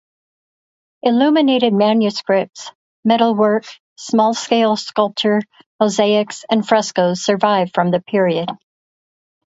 Illuminated manuscripts, metalwork, small-scale sculpture, mosaics, and frescos survive from the period.